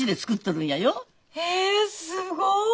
へえすごい！